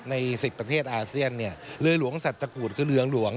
ใน๑๐ประเทศอาเซียนเนี่ยเรือหลวงสัตกูธคือเรืองหลวง